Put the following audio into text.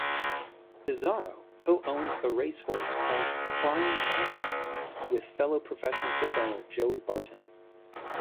Pizarro co-owns a race horse called 'Crying Lightning' with fellow professional footballer Joey Barton.